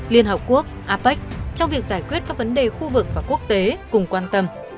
liên hợp quốc apec trong việc giải quyết các vấn đề khu vực và quốc tế cùng quan tâm